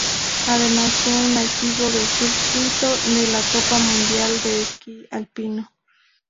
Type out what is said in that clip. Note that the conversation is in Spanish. Además fue un asiduo del circuito de la Copa Mundial de Esquí Alpino.